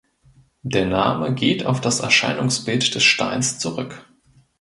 Der Name geht auf das Erscheinungsbild des Steins zurück.